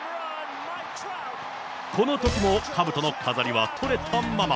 このときもかぶとの飾りは取れたまま。